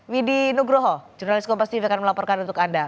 widhi nugroho jurnalis kompas tv akan melaporkan untuk anda